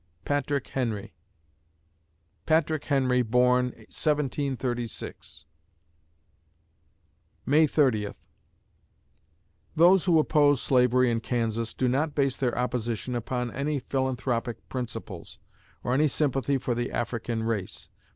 PATRICK HENRY Patrick Henry born, 1736 May Thirtieth Those who oppose slavery in Kansas do not base their opposition upon any philanthropic principles, or any sympathy for the African race.